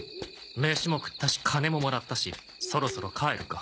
メシも食ったし金ももらったしそろそろ帰るか。